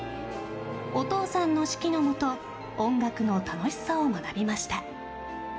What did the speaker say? お父さんの指揮のもと音楽の楽しさを学びました。